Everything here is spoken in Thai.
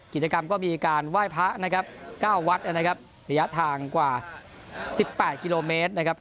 กิจกรรมก็มีการไหว้พระนะครับ๙วัดนะครับระยะทางกว่า๑๘กิโลเมตรนะครับ